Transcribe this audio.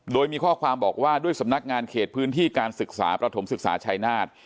โดยมีข้อความบอกว่าด้วยสำนักงานเขตพื้นที่การศึกษาประถมศึกษาชายนาฏ